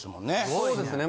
そうですね。